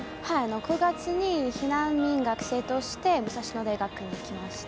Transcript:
９月に避難民留学生として武蔵野大学にきました。